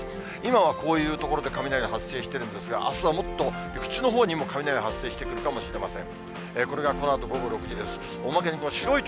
今はこういう所で雷が発生してるんですが、あすはもっと陸地のほうにも雷発生してくるかもしれません。